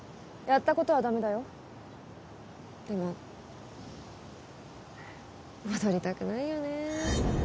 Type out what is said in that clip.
やったことはダメだよでも戻りたくないよね